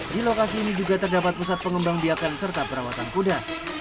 di lokasi ini juga terdapat pusat pengembang biakan serta perawatan kuda